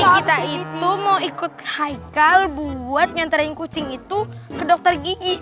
kita itu mau ikut haikal buat nyantarin kucing itu ke dokter gigi